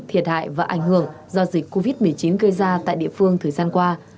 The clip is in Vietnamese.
thiệt hại và ảnh hưởng do dịch covid một mươi chín gây ra tại địa phương thời gian qua